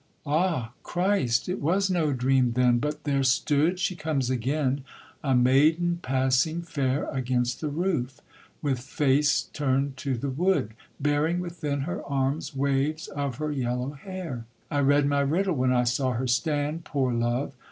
Ah Christ! it was no dream then, but there stood (She comes again) a maiden passing fair, Against the roof, with face turn'd to the wood, Bearing within her arms waves of her yellow hair. I read my riddle when I saw her stand, Poor love!